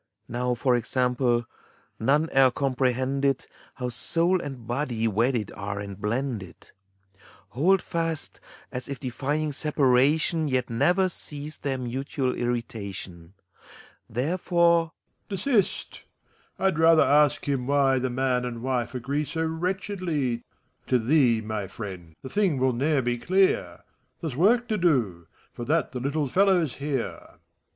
Now, for example, none e'er comprehended How soul and body wedded are and blended, — Hold fast, as if defying separation Yet never cease their mutual irritation. Therefore — MEPHISTOPHELES. Desist I I'd rather ask him why The man and wife agree so wretchedly. To thee, my friend, the thing will ne'er be clear : There's work to do : for that the little fellow's here.